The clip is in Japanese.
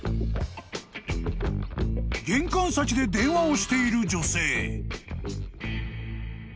［玄関先で電話をしている女性］